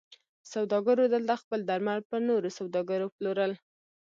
سوداګرو دلته خپل درمل پر نورو سوداګرو پلورل.